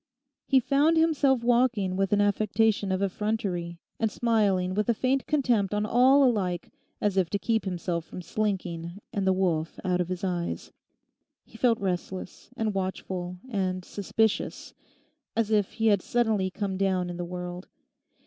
He found himself walking with an affectation of effrontery, and smiling with a faint contempt on all alike, as if to keep himself from slinking, and the wolf out of his eyes. He felt restless, and watchful, and suspicious, as if he had suddenly come down in the world.